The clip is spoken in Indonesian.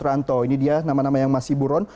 ranto ini dia nama nama yang masih buron